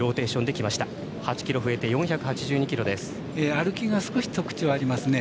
歩きが少し特徴がありますね。